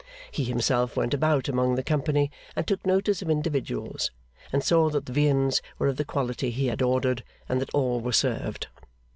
He himself went about among the company, and took notice of individuals, and saw that the viands were of the quality he had ordered, and that all were served.